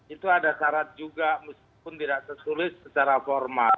itu ada syarat juga meskipun tidak tertulis secara formal